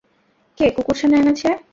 কে কুকুরছানা এনেছে?